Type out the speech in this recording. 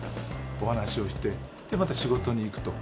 お話をして、で、また仕事に行くと。